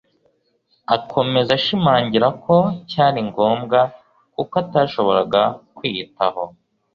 akomeza ashimangira ko cyari ngombwa kuko atashoboraga kwiyitaho